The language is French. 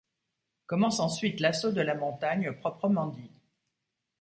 Commence ensuite l'assaut de la montagne proprement dit.